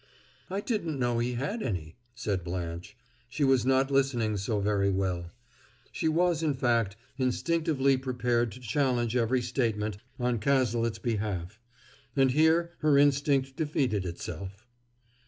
"I didn't know he had any," said Blanche. She was not listening so very well; she was, in fact, instinctively prepared to challenge every statement, on Cazalet's behalf; and here her instinct defeated itself.